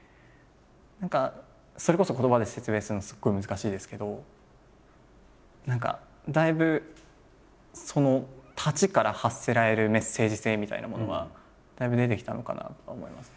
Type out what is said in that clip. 何かそれこそ言葉で説明するのすごい難しいですけどだいぶその立ちから発せられるメッセージ性みたいなものはだいぶ出てきたのかなと思いますね。